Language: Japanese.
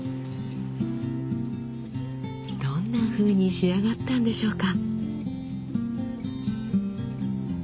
どんなふうに仕上がったんでしょうか？